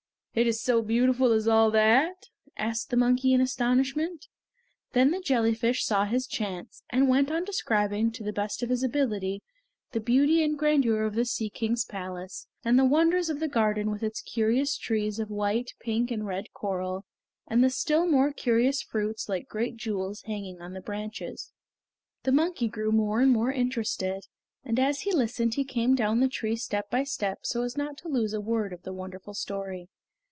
"Is it so beautiful as all that?" asked the monkey in astonishment. Then the jellyfish saw his chance, and went on describing to the best of his ability the beauty and grandeur of the Sea King's palace, and the wonders of the garden with its curious trees of white, pink and red coral, and the still more curious fruits like great jewels hanging on the branches. The monkey grew more and more interested, and as he listened he came down the tree step by step so as not to lose a word of the wonderful story.